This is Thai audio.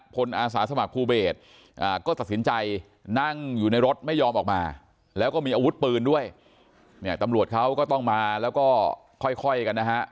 อาสาสมัครภูเบศก็ตัดสินใจนั่งอยู่ในรถไม่ยอมออกมาแล้วก็มีอาวุธปืนด้วยเนี่ยตำรวจเขาก็ต้องมาแล้วก็ค่อยกันนะฮะ